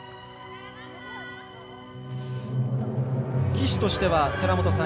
岸としては寺本さん